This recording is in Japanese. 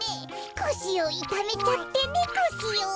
こしをいためちゃってねこしを。